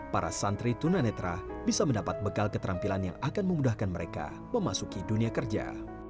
para santri tunanetra bisa mendapat bekal keterampilan yang akan memudahkan mereka memasuki dunia kerja